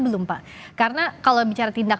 belum pak karena kalau bicara tindak